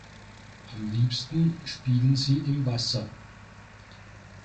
Am liebsten spielen sie im Wasser.